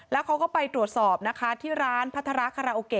แล้วเขาก็ไปตรวจสอบนะคะที่ร้านพัฒระคาราโอเกะ